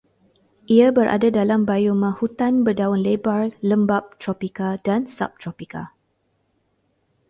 Ia berada dalam bioma hutan berdaun lebar lembap tropika dan subtropika